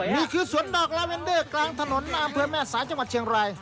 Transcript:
นี่คือสวนดอกลาเวนเดอร์กลางถนนในอำเภอแม่สายจังหวัดเชียงราย